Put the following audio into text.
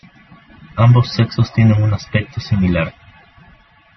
Ambos sexos tienen un aspecto similar.